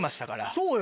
そうよ